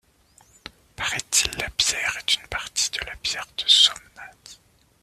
Paraît-il, la pierre est une partie de la pierre de Somnath.